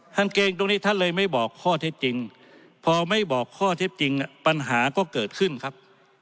เกรงตรงนี้ท่านเลยไม่บอกข้อเท็จจริงพอไม่บอกข้อเท็จจริงปัญหาก็เกิดขึ้นครับ